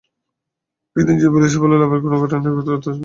কিন্তু না, জীবনে সাফল্য লাভের কোনো ঘটনাই কখনো তাৎপর্যহীন হয়ে যায় না।